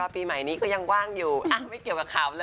อย่าไปถามน้องบ่อย